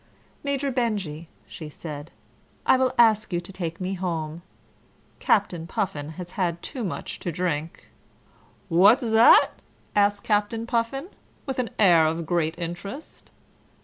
"Major Benjy," she said, "I will ask you to take me home. Captain Puffin has had too much to drink " "Woz that?" asked Captain Puffin, with an air of great interest.